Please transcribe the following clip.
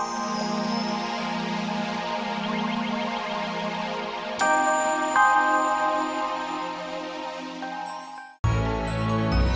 gw satu satunya kursi chu psal